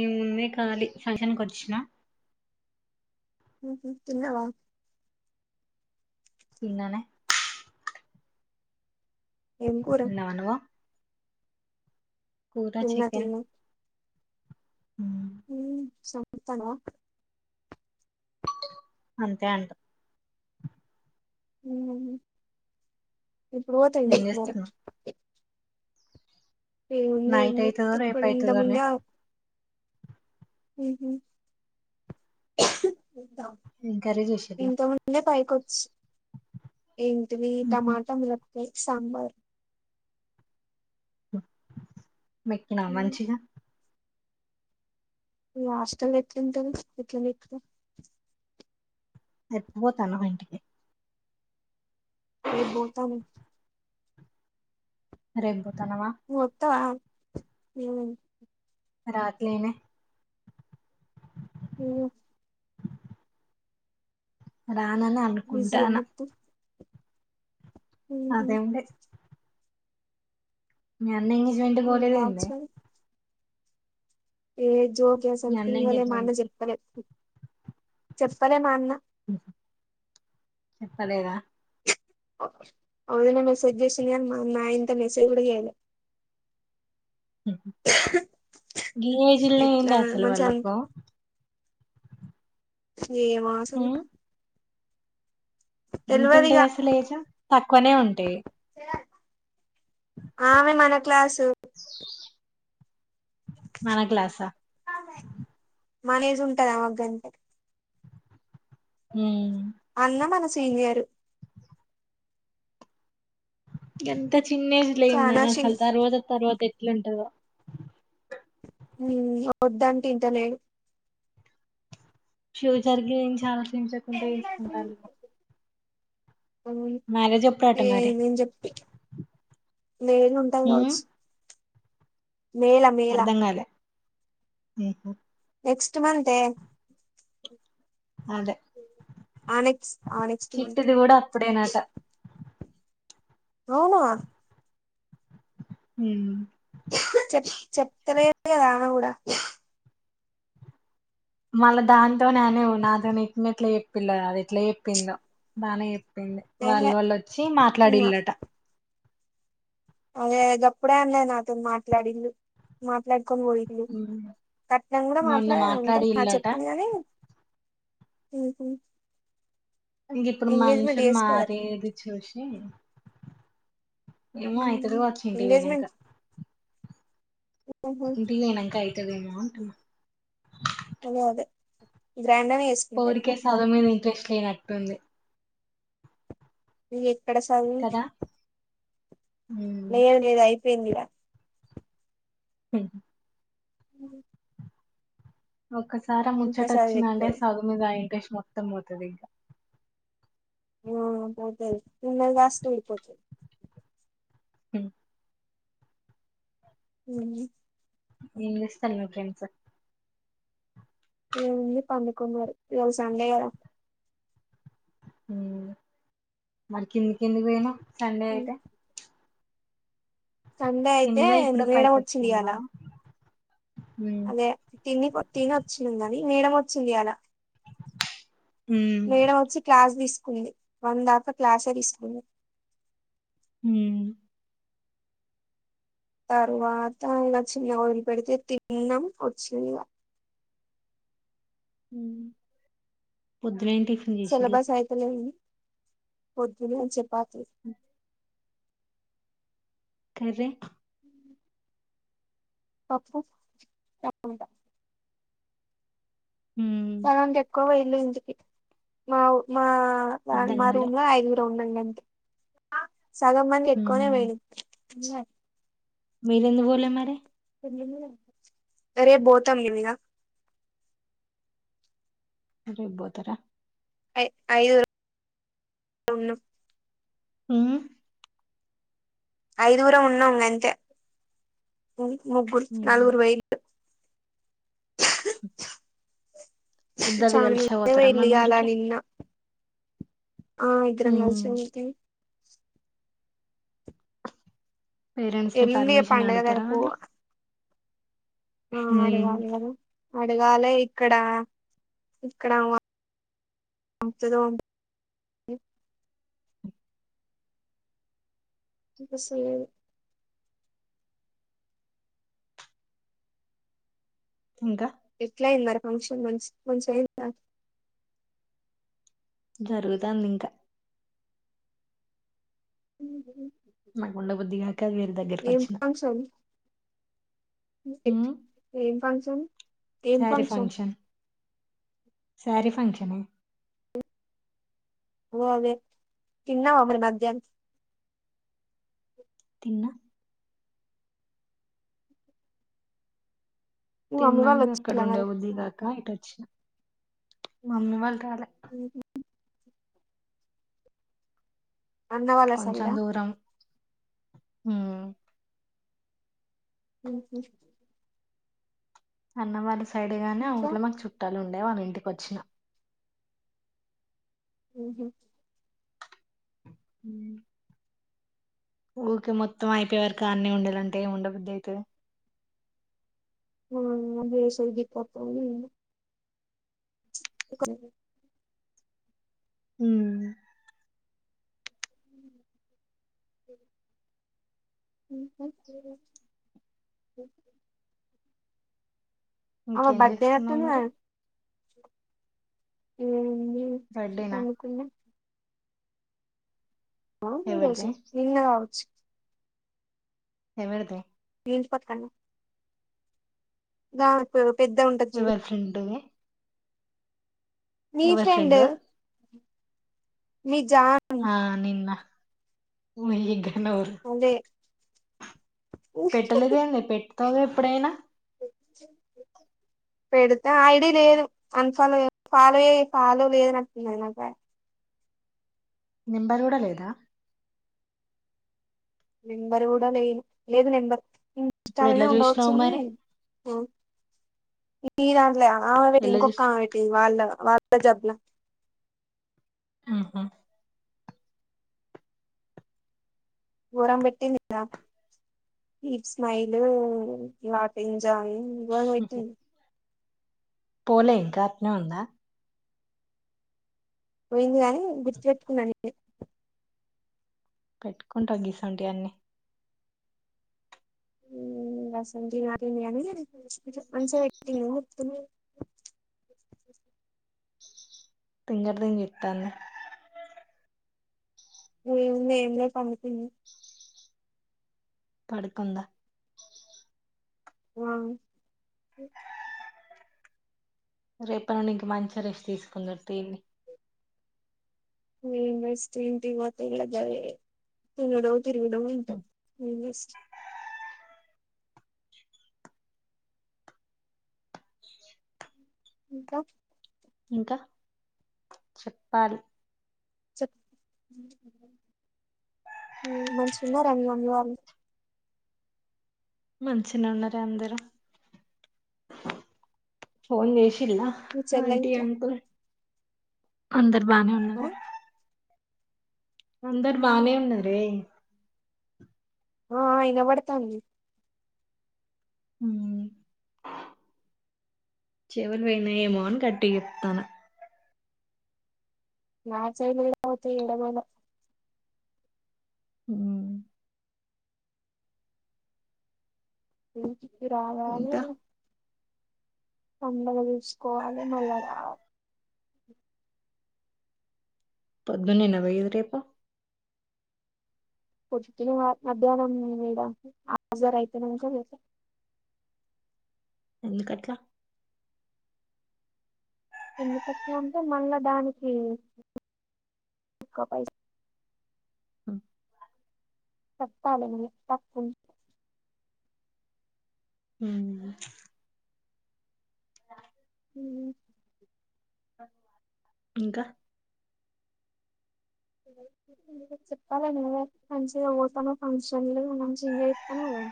ఏ ముందే కాళి ఫంషన్ కొచ్చిన తిన్నవ తిన్ననే ఏం కూర ఇలా అనవా కూర తిన్న చికెన్ ఉ ఉ సమంతన అంతే అంట ఉ ఇప్పుడు బోతావ్ ఏం ఇంటిక్ మరి చేస్తున్నావ్ ఏముందే నైట్ ఇంగే అయితదో రేపు ఇప్పుడు ఇంత అయితదో అని ముందే ఊహు ఏం కర్రీ చేసిల్లు ఇంత ముందే పై కొచ్ ఏంటివి మ్హూ. టమాటంలో సాంబార్ స మెక్కినా ఉమ్, మంచిగా మీ హాస్టల్ ఎట్లుంటాది ఎట్లా చెత్తురు నువ్వు ఎప్పుడు పొతాన్నవ్ మీ ఇంటికి రేపు బొతాను మిరే ఇంగా నువ్వు వత్తావ మ్మ్ రావట్లే మే ఏమి రానని బిజీయా అనుకుంటాన ఎవడు అదేంది మీ అన్న ఎంగేజ్మెంట్ రేపు పోలేదు ఎందే ఏద్ జోక్ మీ ఏసిన అన్న పిల్లొల్ల ఎంగేజ్మెంట్ మాదిరి కి చెప్తన్నావ్ చెప్పాలే మా అన్న చెప్పాలేద అదే మెస్సేజ్ చేసిన నాయిం [unintelligible] త మెస్సేజ్ చేయాల గీ ఏజ్ లో ఎట్లా ఏందే అసలు మంచిగా వాళ్ళకు ఏమ్ వాసన ఎంతుంటాయి అసలు ఏజ ఆమె మనది క్లాస్ మన క్లాస మ్యానేజ్ ఉంటదా ఒక గంట అవును అన్న మన సినియర్ ఎంత చిన్న ఏజ్ లో అయింది చానా నాది షి అసలు తర్వాత తర్వాత ఎ కింటావ ఉ వద్దంటే ఇంటలేడు ఫ్యూచర్ కి నేను చానా దించకుంటే ఎడుసుకుంటాల్ల అవును మరి నేను ఉంటాం ఉమ్ కావచ్చు మేల మేల అర్ధం కాలే ఉహు నెక్స్ట్ మంతే ఎ అదే నెక్స్ట్ ఆ నెక్స్ట్ మంత్ చిట్టిది కూడా అప్పుడే ఆట అవునా హు చెప్తానే లేదు కదా ఆమె కూడా మళ్ళా దానింతోనే అనే నాతో న ఎట్లా చెప్పిలేదు అది ఎట్లా చెప్పిందో దానే ఎహే వాళ్ళోళ్లు వచ్చి ఇంగ మాట్లాడళ్ళట అదే గప్పుడే అన్నా నాతో మాట్లాడిలు మాట్లాడి యిలు ఉమ్. కట్నం కూడా మొన్న మాత్రమే అంత మా మాట్లాడిల్లట చెప్పింది కానీ ఉహు ఇంక ఇప్పుడు మనుషులు మారేది చూసి ఏమో అయితది కావచ్చు ఇంటికి పోయినంక ఎంగేజ్మెంట్ ఇంటికి పోయినా క అంటున్న అదే అదే గ్రాండ్ గానే చేసుకుంటారు అట్నా పోరికే సాధువు మీద ఇంట్రెస్ట్ చేనట్టుంది ఏ ఎక్కడ సదువు కదా ఉమ్ లేదు లేదా అయితే [unintelligible] స అ ఒక్కసారి ముచ్చట చదువు వచ్చిందంటే ఎక్కదు చదువు మీద ఇంట్రెస్ మొత్తం పోతది ఇంకా ఆ పోతది ఉన్నది కాస్త ఊడిపోతుంది హ హ ఏం చేస్తాం మీ ఫ్రెండ్స్ ఏంది పడుకున్నారు ఇజు సండే గ మరి కింది కిందికి పాయినవ్ సండే అయితే సండే అయితే కిందికి పోయి ఇప్పుడే పైకి మేడమ్ వచ్చింది ఇయ్యాల వచ్చినవా ఉమ్ అదే తిని తిని వచ్చిందా అ మేడం వచ్చింది ఈయాల ఉమ్ మేడం వచ్చి క్లాస్ తీసుకు కుంది వన్ దాకా క్లాసఆ తీసుకుంది హు తరువాత ఇలా చిన్న వదిలు పెడితే తిన్నాం వచ్చినగా మ్మ్ తిన సిలబస్ అయితనే ఉంది పొద్దున చపాతీ కర్రీ పప్పు మ్ [unintelligible] ఎక్కువ పొయిల్రు ఇంటికి మా మా అర్ధం మా కాలే రూమ్ లో ఐదుగురు టొండం గంతే సగం మంది ఉమ్ ఎక్కువనే పోయిళ్ళు తిన్లే మీరెందుకు పోలే మరి అరే బోతమెలిగా రేబ్బోతరా ఐదుగురం ఉన్నం మ్ ఐదుగురం ఉన్నాం గంతే ముగ్గులు ఉమ్. నలగురు వేయ ఇద్దరు కలిసే చాన పోతారా మన వెలిగాల ఊరికి నిన్న ఆ ఇదరం కలిసే ఉమ్ పోతం పేరెంట్స్ ని ఎల్లుండి ఇగ పర్మిషన్ పండుగ అడుగుతారా జరుపు వాళ్ళు ఆ ఉమ్, అదివాలది కదు దిగాలే ఇక్కడ ఇక్కడ [unintelligible] బసూ ఇంకా ఎట్లా అయింది మరి ఫంక్షన్ మంచిగైందా జరుగుతాంది ఇంకా నాకు ఉండబుద్ధిగాక వీరి దగ్గరకి [inaudible] ఏం వచ్చిన ఫంక్షన్ ఉమ్, ఏం ఫంక్షన్ ఏం శారీ ఫంక్షన్ సారీ ఫంక్షనా ఓ అదే తిన్నావా మరి మధ్యానం తిన్న మీ మమ్మీ వాళ్ళు తిన్నాక అక్కడ వచ్చిలా ఉండ మరి బుద్దిగాకా ఇటొ చిన మమ్మీ వాళ్ళు రాల [inaudible] అన్న వాల సైడా హ్మ్ [inaudible] అన్న వాళ్ళ సైడూ గానే ఆ ఇంకా ఊర్లో మాకు చుట్టాలు మాకు చుట్టాల ఉండే వాళ్ళ ఇంటికి వచ్చిన ఉహు ఊ ఊకే మొత్తం అయిపోయేవరక అన్నీ ఉండాలంటే ఏమి ఉండబద్దు అయితే ఆ ఆడ చేసేది గిత్తత్త అయినా ఒకరికి ఊ [inaudible] [inaudible] ఆమె ఇంకేం బర్త్డే చేస్తున్నావు అట్టుంది గా మరి మ్ బర్త్డేనా కొనుకున్నా ఎవరిది [unintelligible] నిన్న కావచ్చు ఎవారిది ఇంటికి ఒత్తాన రాని ఇత్తారు ఎవరి ఫ్రెండ్ అది నీ ఫ్రెండు ఫ్రెండ్ ఆ నిన్న ఉ మీగా ఫోన్ జే పెట్టలేదే ఏంది పెట్టతాంది ఎప్పుడైనా పెడితే ఐడి లేదు అన్ఫాలో ఫాలో అయి ఫాలో లేదుని అట్టుగా నెంబర్ గూడ లేదా నెంబర్ కూడా లే లేదు నెంబర్ ఇప్పుడ ఎట్లా జూసినవు మరె ఇటి దాంట్లో అప్ ఆంటీ ఎట్లా ఇంకొక చూస్ ఆంటీ వాళ్ళ వార్త జప్న ఆ హా గోరం పెట్టిన్ది స్నాప్ ఈ స్మైలూ [unintelligible] జాయి ఇవ న్ పెట్టింది పోలే ఇంకాట్నే ఉందా పోయింది గాని గుర్తుపెట్టుకున్న నేనే పెట్టుకుంటవ్ గిసోంటివి అన్నీ ఊ గాసొంటివి..... [unintelligible] కొంచం మంచిగా పెట్టింది పింగర్ రింగ్ చెతాన్న మేమిలే పనుకున్న పడుకుందా ఆ రేపటి నుండి ఇంక మంచి రెస్ట్ తీసుకుదువు టివి ఎం వేస్ట్ ఇంటికి పోతే కూడా గాదె తినుడు తిరుగుడు ఉట [unintelligible] ఇంకా ఇంకా చెప్పాలి చెప్పు మంచిగా ఉన్నార మీ అమ్మ వాళ్ళు మంచిగా ఉన్నార అందరుూ ఫోన్ చేసి కిల్లా మీ చెల్లె ఆంటీ గిట్ల అంకుల్ అంద బాగానే ఆ ఉన్నారా అందరు బాగానే ఉన్నారే ఆ ఇనబడతాంది చెవులు పోయినా ఏమో అని కట్టి చెప్తాను నా చేలు [unintelligible] ఎండలేదు అ హ్మ్ కిక్ రావాలె ఇంకా పండగ చేసుకోవాలి మళ్ళా రాల పద్దు నిన్న పోయంటే పొద్దున్న మధ్యాహ్నం గూడా ఆజర్ అయితేనకా పె ఎందుకు కట్ల ఎన్నికత్ ఉంటే మళ్ళా దానికి ఎక్కువ పై హ్మ్ చెప్పాలి అండి తప్పు హ్మ్ ఆ ఇంకా చెప్పాల నువ్వే మంచిగా పోతాన్నాక ఫంక్షన్లు మంచిగా [unintelligible]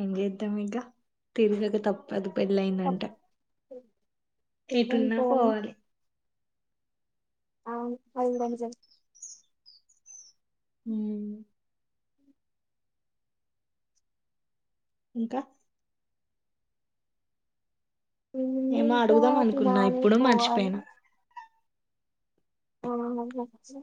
ఇంగ ఈమిటి ఇంకా ప్రేమమా మీద పడతాడు పెళ్ళ అయిందంట తప్పు ఎటున్నా ఎంతేనా పోవాలి ఆ పోవుడాగా చే హ ఇంకా ఉ ఏమో ఇంకా అడుగుదాం [unintelligible] అనుకున్నా తినలే ఇప్పుడు పోవాలి మర్చిపోయినా అవునా మాన్